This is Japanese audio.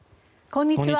こんにちは。